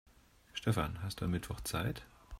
Stefan, hast du am Mittwoch Zeit?